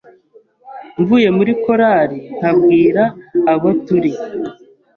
mvuye muri korari nkabwira abo turi